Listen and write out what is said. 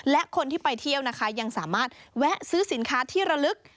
และคนที่ไปเที่ยวนะคะยังสามารถแวะซื้อสินค้าที่ระลึก